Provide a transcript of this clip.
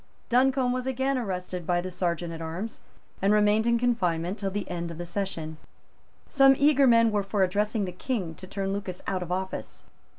Duncombe was again arrested by the Serjeant at Arms, and remained in confinement till the end of the session. Some eager men were for addressing the King to turn Lucas out of office.